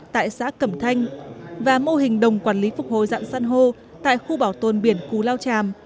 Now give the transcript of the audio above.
tại xã cẩm thanh và mô hình đồng quản lý phục hồi dạng san hô tại khu bảo tồn biển cù lao tràm